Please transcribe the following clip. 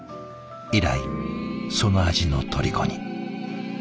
以来その味のとりこに。